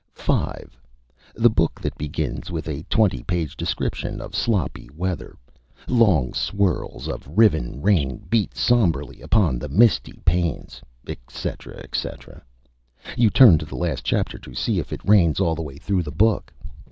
5. The Book that begins with a twenty page Description of Sloppy Weather: "Long swirls of riven Rain beat somberly upon the misty Panes," etc., etc. You turn to the last Chapter to see if it Rains all the way through the Book.